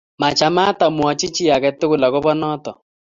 Machamat amwochi chi agetugul agobo noto